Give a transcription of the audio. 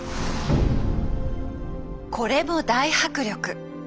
これも大迫力。